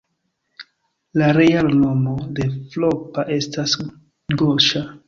La reala nomo de Floppa estas Goŝa.